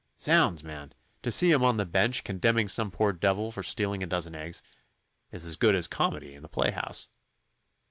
Zounds, man! to see him on the bench, condemning some poor devil for stealing a dozen eggs, is as good as a comedy in the playhouse.